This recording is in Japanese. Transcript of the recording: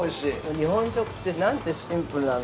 ◆日本食って、なんてシンプルなの。